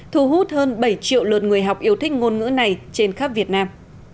thu hút hơn bảy triệu lượt người học yêu thích ngôn ngữ này trên khắp việt nam